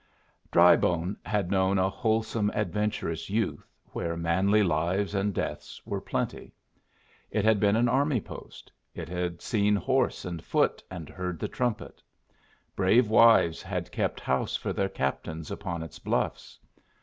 Drybone had known a wholesome adventurous youth, where manly lives and deaths were plenty. It had been an army post. It had seen horse and foot, and heard the trumpet. Brave wives had kept house for their captains upon its bluffs.